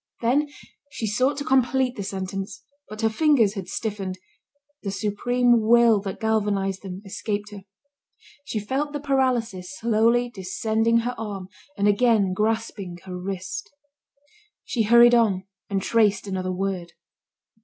Then she sought to complete the sentence, but her fingers had stiffened, the supreme will that galvanised them, escaped her. She felt the paralysis slowly descending her arm and again grasping her wrist. She hurried on, and traced another word.